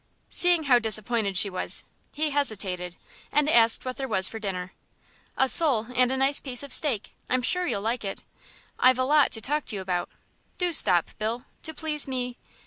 Seeing how disappointed she was, he hesitated, and asked what there was for dinner. "A sole and a nice piece of steak; I'm sure you'll like it. I've a lot to talk to you about. Do stop, Bill, to please me."